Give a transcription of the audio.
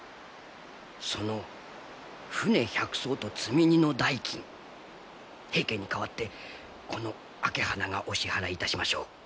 その船１００そうと積み荷の代金平家に代わってこの朱鼻がお支払いいたしましょう。